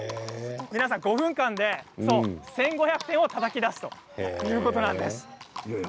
皆さん５分間で１５００点をたたき出すということなんです。